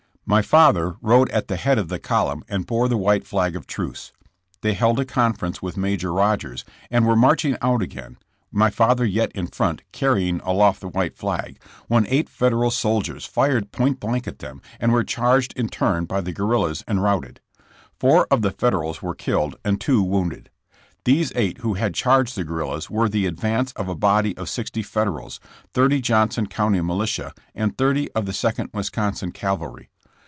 My father rode at the head of the column and bore the white flag of truce. They held a conference with Major Rodgers and were marching out again, my father yet in front carrying 52 JESSE JAMES. aloft tlie white flag, when eight Federal soldiers fired point blank at them and were charged in turn by the guerrillas and routed. Four of the Federals were killed and two wounded. These eight who had charged the guerrillas were the advance of a body of sixty Federals, thirty Johnson County militia and thirty of the Second Wisconsin cavalry.